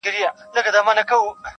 • فکر اوچت غواړمه قد خم راکه,